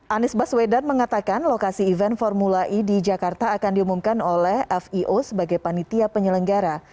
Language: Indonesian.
anies baswedan mengatakan lokasi event formula e di jakarta akan diumumkan oleh fio sebagai panitia penyelenggara